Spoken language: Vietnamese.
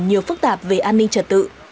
nhiều phức tạp về an ninh trật tự